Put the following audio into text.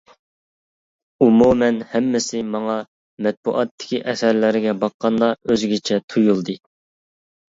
ئومۇمەن ھەممىسى ماڭا مەتبۇئاتتىكى ئەسەرلەرگە باققاندا ئۆزگىچە تۇيۇلدى.